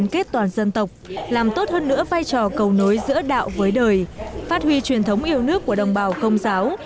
kết toàn dân tộc làm tốt hơn nữa vai trò cầu nối giữa đạo với đời phát huy truyền thống yêu nước của đồng bào công giáo